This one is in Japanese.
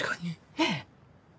ええ。